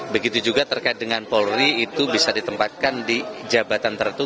begitu juga terkait dengan polri itu bisa ditempatkan di jabatan tertentu